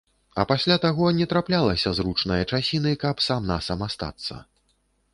А пасля таго не траплялася зручнае часіны, каб сам-насам астацца.